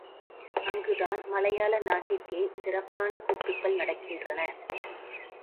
அங்குதான் மலையாள நாட்டிற்கே சிறப்பான கூத்துகள் நடக்கின்றன.